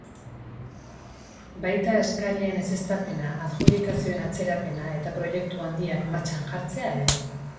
Baita eskarien ezeztapena eta adjudikazioen atzerapena eta proiektua handiak martxan jartzea ere.